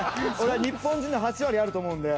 日本人の８割あると思うんで。